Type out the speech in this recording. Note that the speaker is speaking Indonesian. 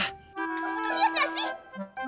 aku tuh liat gak sih